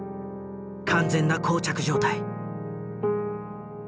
完全な膠着状態。